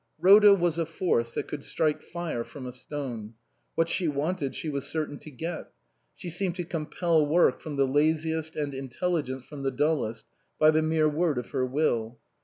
Rhoda was a force that could strike fire from a stone ; what she wanted she was certain to get; she seemed to compel work from the laziest and intelligence from the dullest by the mere word of her will.